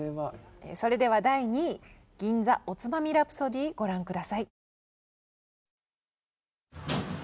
それでは第２位「銀座おつまみラプソディ」ご覧下さい。